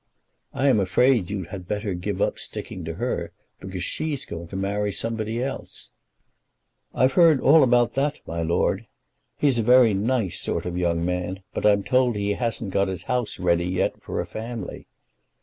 "I am afraid you had better give up sticking to her, because she's going to marry somebody else." "I've heard all about that, my lord. He's a very nice sort of young man, but I'm told he hasn't got his house ready yet for a family."